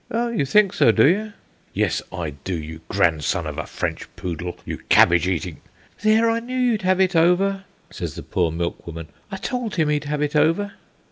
"Oh, you think so, do you?" "Yes, I do, you grandson of a French poodle, you cabbage eating " "There! I knew you'd have it over," says the poor milk woman. "I told him he'd have it over."